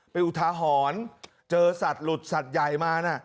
เป็นอุทาหรณ์เจอสัตว์หลุดสัตว์ใหญ่มานะ